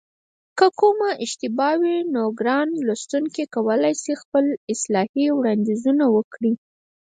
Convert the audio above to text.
که کومه اشتباه وي نو ګران لوستونکي کولای شي خپل اصلاحي وړاندیزونه وکړي